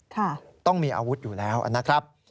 ต้องมีอาวุธอยู่แล้วนะครับ